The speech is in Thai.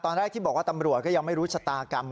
ตอนแรกที่บอกว่าตำรวจก็ยังไม่รู้ชะตากรรม